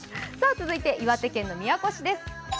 続いて岩手県の宮古市です。